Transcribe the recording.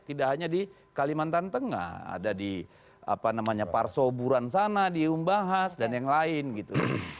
tidak hanya di kalimantan tengah ada di apa namanya parsoburan sana di umbahas dan yang lain gitu